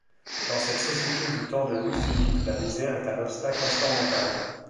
Dans cette société du temps de Louis-Philippe, la misère est un obstacle insurmontable.